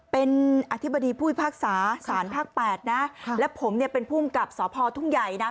เป็นอธิบดีผู้พรรคศาสตร์ภาค๘นะและผมเป็นผู้กับสภทุ่งใหญ่นะ